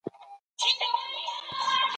خلکو ته په خیر رسولو کې سکون شته.